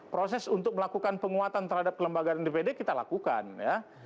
proses untuk melakukan penguatan terhadap kelembagaan dpd kita lakukan ya